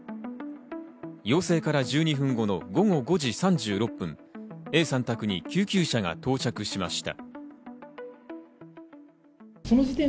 要請から１２分後の午後５時３６分、Ａさん宅に救急車が到着しました。